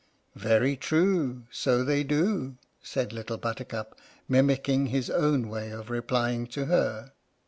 Very true, So they do. said Little Buttercup (mimicking his own way of replying to her).